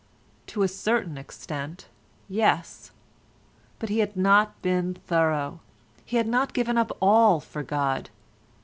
To a certain extent, yes; but he had not been thorough; he had not given up all for God.